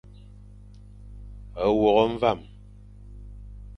Wôkh mvam.